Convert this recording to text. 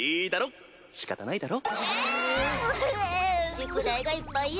宿題がいっぱいや。